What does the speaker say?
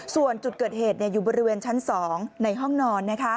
ส่วนจุดเกิดเหตุอยู่บริเวณชั้น๒ในห้องนอน